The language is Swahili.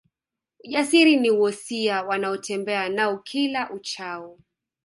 Ujasiri ni wosia wanaotembea nao kila uchao